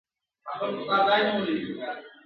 مه ئې واده، مه ئې نوم.